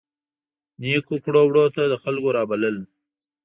نیکو کړو وړو ته د خلکو رابلل.